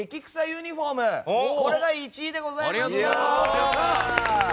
ユニホームが１位でございました！